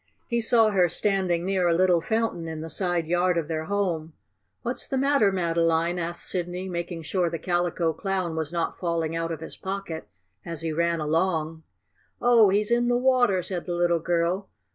He saw her standing near a little fountain in the side yard of their home. "What's the matter, Madeline?" asked Sidney, making sure the Calico Clown was not falling out of his pocket as he ran along. "Oh, he's in the water!" said the little girl.